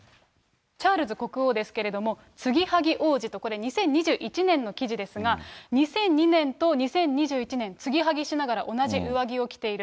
チャールズ国王ですけど、ツギハギ王子と、これ、２０２１年の記事ですが、２００２年と２０２２年、ツギハギしながら同じ上着を着ている。